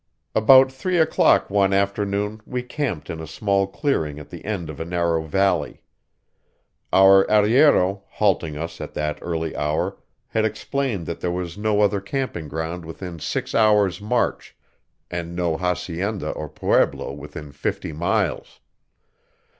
About three o'clock one afternoon we camped in a small clearing at the end of a narrow valley. Our arriero, halting us at that early hour, had explained that there was no other camping ground within six hours' march, and no hacienda or pueblo within fifty miles.